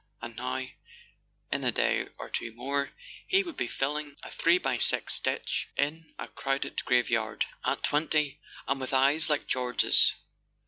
And now, in a day or two more, he would be filling a three by six ditch in a crowded graveyard. At twenty—and with eyes like George's.